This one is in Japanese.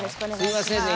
すいませんね